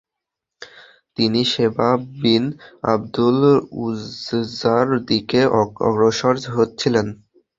তিনি সিবা বিন আব্দুল উযযার দিকে অগ্রসর হচ্ছিলেন।